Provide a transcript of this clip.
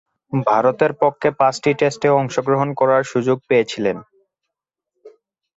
ভারতের পক্ষে পাঁচটি টেস্টে অংশগ্রহণ করার সুযোগ পেয়েছিলেন।